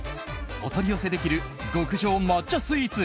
お取り寄せできる極上抹茶スイーツ